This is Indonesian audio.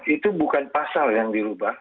itu bukan pasal yang dirubah